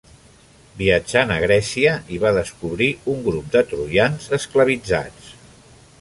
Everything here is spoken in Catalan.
Viatjant a Grècia, hi va descobrir un grup de Troians esclavitzats.